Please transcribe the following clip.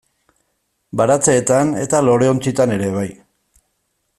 Baratzeetan eta loreontzietan ere bai.